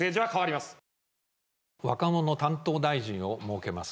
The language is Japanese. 若者担当大臣を設けます。